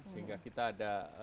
sehingga kita ada